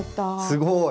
すごい！